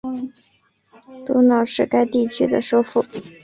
多瑙是该地区的首府。